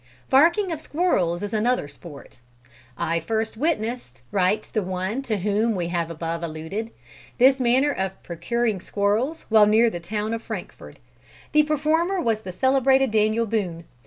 Barking of Squirrels is another sport. "I first witnessed," writes the one to whom we have above alluded, "this manner of procuring squirrels, while near the town of Frankfort. The performer was the celebrated Daniel Boone.